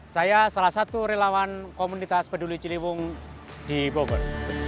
saya salah satu relawan komunitas peduli ciliwung di bogor